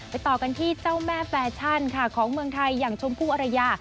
ต่อกันที่เจ้าแม่แฟชั่นค่ะของเมืองไทยอย่างชมพู่อรยา